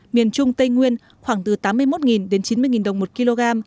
miền trung tây nguyên khoảng từ tám mươi một đến chín mươi đồng một kg